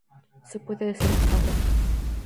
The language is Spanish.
Se puede hacer aguada.